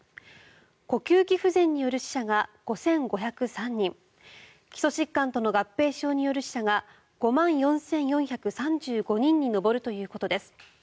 呼吸器不全による死者が５５０３人基礎疾患との合併症による死者が５万４４３５人に上るということです。